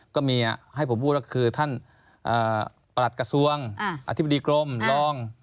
ก็มีให้ผมพูดก็คือท่านประหลัดกระทรวงอธิบดีกรมรอง